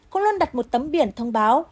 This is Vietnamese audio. cũng luôn đặt một tấm biển thông báo